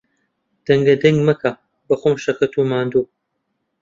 دەنگەدەنگ مەکە، بەخۆم شەکەت و ماندووم.